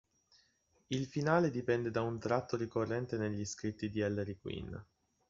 Il finale dipende da un tratto ricorrente negli scritti di Ellery Queen.